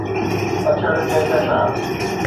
پُڇڙ ڪھڪشان